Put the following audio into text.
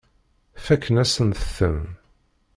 Fakken-asent-ten.